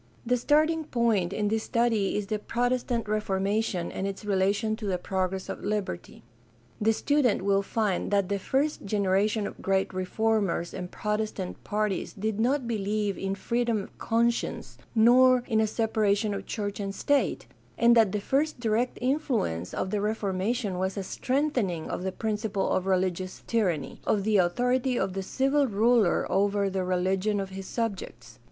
— The starting point in this study is the Protestant Reformation and its relation to the progress of liberty. The student will find that the first generation of great reformers and Protestant parties did not believe in freedom of conscience nor in a separation of church and state, and that the first direct influ ence of the Reformation was a strengthening of the principle of religious tyranny — of the authority of the civil ruler over the religion of his subjects.